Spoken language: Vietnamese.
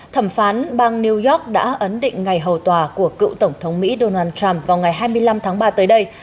thẩm phán bang new york đã ấn định ngày hầu tòa của cựu tổng thống mỹ donald trump vào ngày hai mươi năm tháng ba tới đây